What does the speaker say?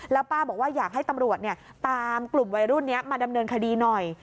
แล้วป้าบอกว่าอยากให้ตำรวจตามกลุ่มวัยรุ่นนี้มาดำเนินคดีหน่อย